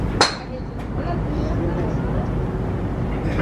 কিছু কিছু যৌন অপরাধ সহিংস আবার কিছু কিছু অনাকাঙ্ক্ষিত যৌন আচরণ।